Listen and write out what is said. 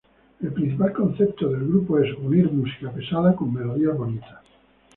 El principal concepto del grupo es "unir música pesada con melodías bonitas".